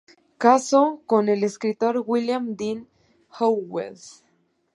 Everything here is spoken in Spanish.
Casó con el escritor William Dean Howells.